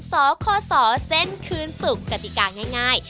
สคสเส้นคืนสุขกติกาง่าย